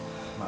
dan ibu juga